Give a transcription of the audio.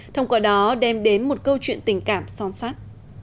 thông qua đó đem đến một câu chuyện tình cảm son sát